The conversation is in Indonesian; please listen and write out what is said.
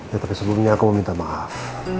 ya tapi sebelumnya aku mau minta maaf